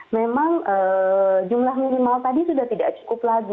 memang jumlah minimal tadi sudah tidak cukup lagi